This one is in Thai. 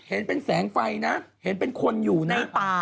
เห็นเป็นแสงไฟหีไปด้วยนะ